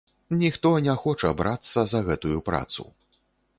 Ніхто не хоча брацца за гэтую працу.